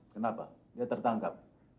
kenapa dia tertangkap